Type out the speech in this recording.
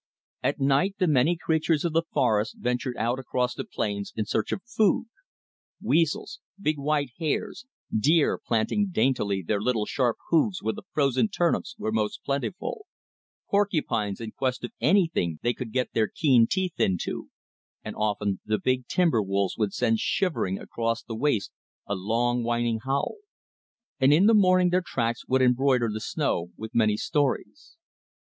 At night the many creatures of the forest ventured out across the plains in search of food, weasels; big white hares; deer, planting daintily their little sharp hoofs where the frozen turnips were most plentiful; porcupines in quest of anything they could get their keen teeth into; and often the big timber wolves would send shivering across the waste a long whining howl. And in the morning their tracks would embroider the snow with many stories.